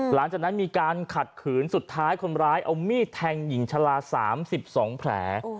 หลังจากนั้นมีการขัดขืนสุดท้ายคนร้ายเอามีดแทงหญิงชะลา๓๒แผล